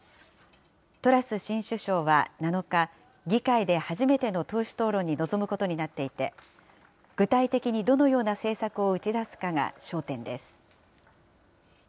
トラス新首相は７日、議会で初めての党首討論に臨むことになっていて、具体的にどのような政策を打ち出すかが焦点です。